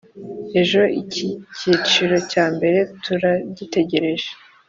Ejo icyiciro cya mbere turagitegereje